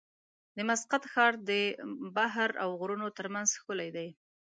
د مسقط ښار د بحر او غرونو ترمنځ ښکلی دی.